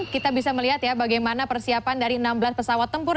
kita bisa melihat ya bagaimana persiapan dari enam belas pesawat tempur